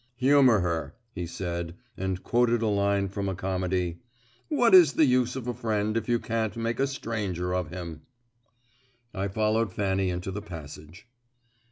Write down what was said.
"Humour her," he said, and quoted a line from a comedy. "What is the use of a friend if you can't make a stranger of him?" I followed Fanny into the passage.